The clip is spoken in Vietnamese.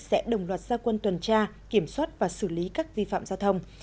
sẽ đồng loạt gia quân tuần tra kiểm soát và xử lý các vi phạm giao thông